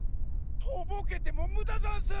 とぼけてもむだざんす！